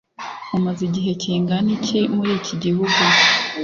mumaze igihe kingana iki muri iki gihugu